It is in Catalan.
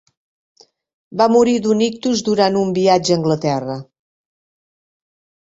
Va morir d’un ictus durant un viatge a Anglaterra.